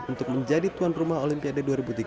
untuk menjadi tuan rumah olimpiade dua ribu tiga puluh